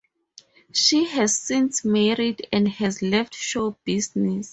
She has since married and has left show business.